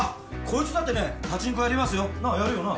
こいつだってねパチンコやりますよなあやるよな？